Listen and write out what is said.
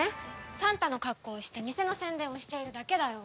サンタの格好をして店の宣伝をしているだけだよ。